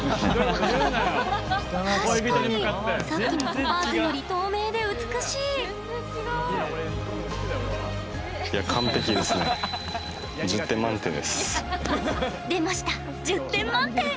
確かに、さっきのトパーズより透明で美しい！出ました、１０点満点！